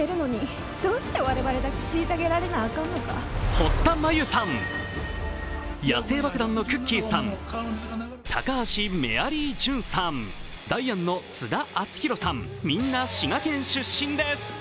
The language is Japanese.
堀田真由さん、野性爆弾のくっきーさん、高橋メアリージュンさん、ダイアンの津田篤宏さん、みんな滋賀県出身です。